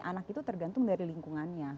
anak itu tergantung dari lingkungannya